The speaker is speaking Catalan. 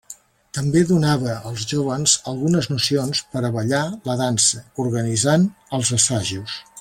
També donava als joves algunes nocions per a ballar la dansa, organitzant els assajos.